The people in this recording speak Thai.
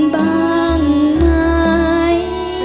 โปรดติดตามตอนต่อไป